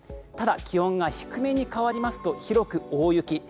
ただ、気温が低めに変わりますと広く大雪。